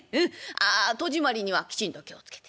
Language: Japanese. ああ戸締まりにはきちんと気を付けて。